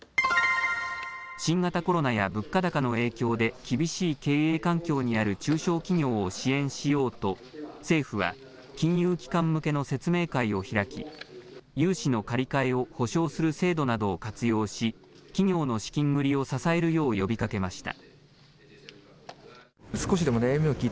新型コロナや物価高の影響で厳しい経営環境にある中小企業を支援しようと政府は金融機関向けの説明会を開き融資の借り換えを保証する制度などを活用し企業の資金繰りを支えるよう呼びかけました。